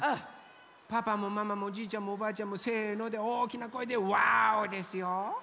パパもママもおじいちゃんもおばあちゃんも「せの」でおおきなこえで「わお！」ですよ！